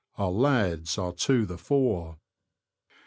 Our lads are to the fore!